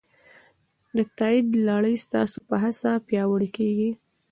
د تایید لړۍ ستاسو په هڅه پیاوړې کېږي.